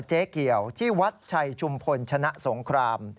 เจ๊เกี่ยวที่วัดชัยชุมพลชนะสงคราม